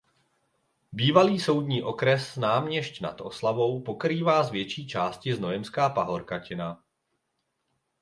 Bývalý soudní okres Náměšť nad Oslavou pokrývá z větší části Znojemská pahorkatina.